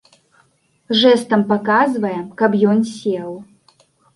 Жэстам паказвае, каб ён сеў.